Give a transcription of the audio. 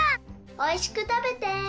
おいしくたべて！